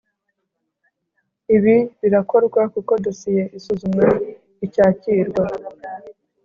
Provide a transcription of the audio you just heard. Ibi birakorwa kuko dosiye isuzumwa icyakirwa